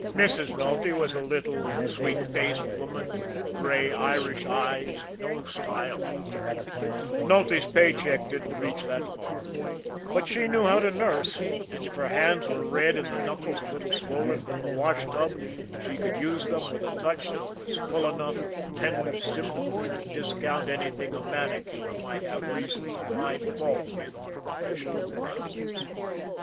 Mrs. Nulty was a little, sweet faced woman, with gray Irish eyes and no style about her Nulty's pay check didn't reach that far but she knew how to nurse; and if her hands were red and the knuckles a little swollen from the washtub, she could use them with a touch that was full enough of tender sympathy to discount anything a manicure might have reason to find fault with on professional grounds.